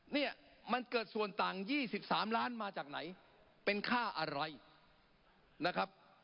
เนี่ยมันเกิดส่วนต่าง๒๓ล้านมาจากไหนเป็นค่าอะไรนะครับ